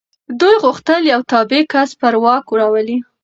دوی غوښتل یو تابع کس پر واک راولي.